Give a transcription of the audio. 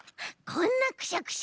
こんなくしゃくしゃ。